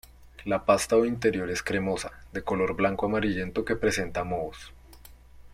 La pasta o interior es cremosa, de color blanco amarillento que presenta mohos.